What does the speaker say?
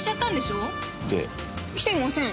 で？来てません。